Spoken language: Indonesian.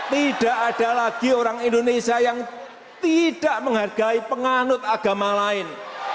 tidak ada lagi orang indonesia yang tidak menghargai penganut agama lain